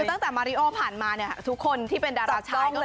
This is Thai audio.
ตั้งแต่มาร์ริอ์ฟผ่านมาทุกคนที่เป็นดาราชาย